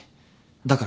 だから。